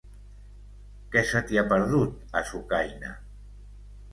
Què se t'hi ha perdut, a Sucaina?